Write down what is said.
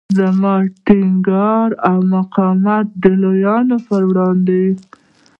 زما ټینګار او مقاومت د لویانو پر وړاندې.